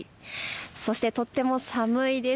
そしてとっても寒いです。